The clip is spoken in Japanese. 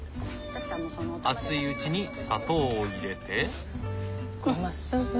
熱いうちに砂糖を入れて。